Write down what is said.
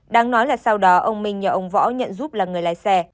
đáng nói là sau đó ông minh nhờ ông võ nhận giúp là người lái xe